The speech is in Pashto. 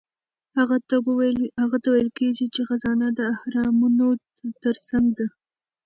هغه ته ویل کیږي چې خزانه د اهرامونو ترڅنګ ده.